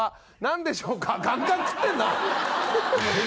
ガンガン食ってんな！